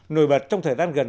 nổi bật trong thời gian gần